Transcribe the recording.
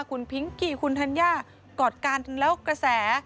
คุณพิงกี้คุณธัญญากอดกันแล้วกระแส